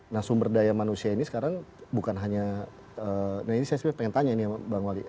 nah sumber daya manusia ini sekarang bukan hanya nah ini saya pengen tanya nih ya bang wali